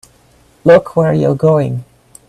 Look where you're going!